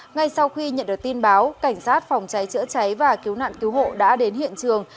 ngay sau khi nhận được tin báo cảnh sát phòng cháy chữa cháy và cứu nạn cứu hộ đã đến hiện trường